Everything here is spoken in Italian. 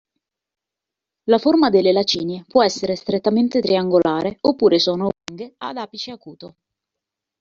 La forma delle lacinie può essere strettamente triangolare oppure sono oblunghe ad apice acuto.